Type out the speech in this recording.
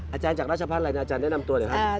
อาจารย์จากราชพัฒน์อะไรนะอาจารย์แนะนำตัวหน่อยครับ